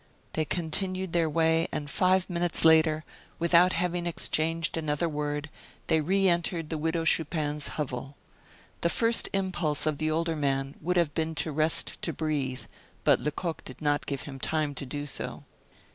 They continued their way, and five minutes later, without having exchanged another word, they reentered the Widow Chupin's hovel. The first impulse of the older man would have been to rest to breathe, but Lecoq did not give him time to do so.